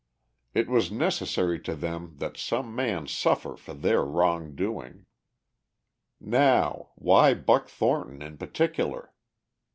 It was necessary to them that some man suffer for their wrong doing. Now: why Buck Thornton in particular?